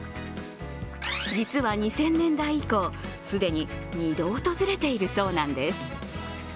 実は２０００年代以降、既に２度訪れているそうなんです。